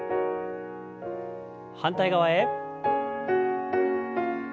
反対側へ。